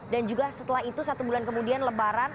dan juga setelah itu satu bulan kemudian lebaran